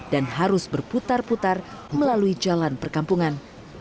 dan harus berputar putar melalui jalan perkampungan